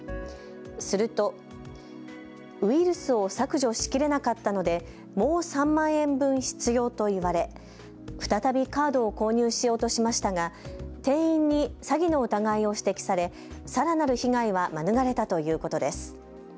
すると、ウイルスを削除しきれなかったのでもう３万円分必要と言われ再びカードを購入しようとしましたが店員に詐欺の疑いを指摘されさらなる被害は免れたということです。